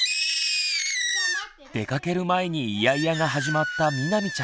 出かける前にイヤイヤが始まったみなみちゃん。